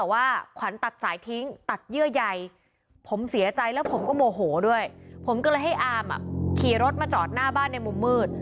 ว่าขวัญตัดสายทิ้งตัดเยื่อใยผมเสียใจแล้วผมก็โมโหด้วยผมก็เลยให้อามขี่รถมาจอดหน้าบ้านในมุมมืด